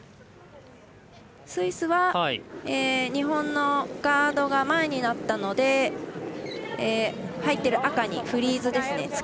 スイスは日本のガードが前になったので入っている赤にフリーズですね。